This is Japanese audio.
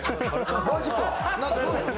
マジか。